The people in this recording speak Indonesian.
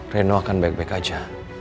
reno akan baik baik aja